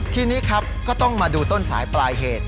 ทีนี้ครับก็ต้องมาดูต้นสายปลายเหตุ